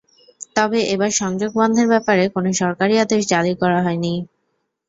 তবে এবার সংযোগ বন্ধের ব্যাপারে কোনো সরকারি আদেশ জারি করা হয়নি।